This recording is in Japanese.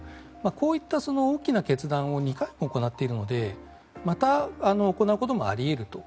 こういった大きな決断を２回も行っているのでまた行うこともあり得ると。